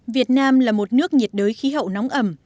việt nam là một nước nhiệt đới khí hậu nóng ẩm